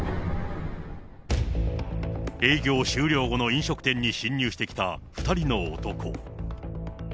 営業終了後の飲食店に侵入してきた２人の男。